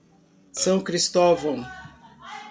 São Cristóvão